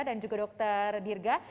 dan juga dokter dirga